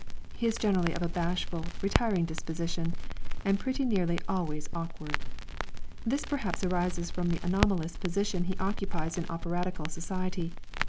He is generally of a bashful, retiring disposition, and pretty nearly always awkward. This perhaps arises from the anomalous position he occupies in operatical society.